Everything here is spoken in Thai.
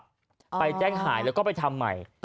ไปแจ้งหายแล้วก็ไปทำใหม่